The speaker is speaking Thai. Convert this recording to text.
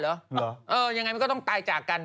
เหรอเออยังไงมันก็ต้องตายจากกัน